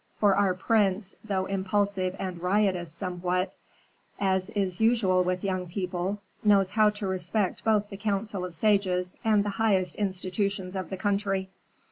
"For our prince, though impulsive and riotous somewhat, as is usual with young people, knows how to respect both the counsel of sages and the highest institutions of the country."